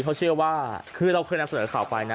เขาเชื่อว่าคือเราเคยนำเสนอข่าวไปนะ